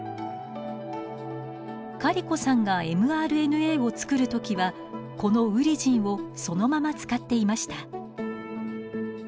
カリコさんがｍＲＮＡを作る時はこのウリジンをそのまま使っていました。